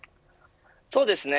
そうですね